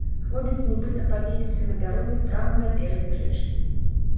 Хлопец нібыта павесіўся на бярозе прама на беразе рэчкі.